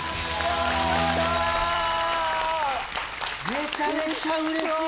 めちゃめちゃうれしい！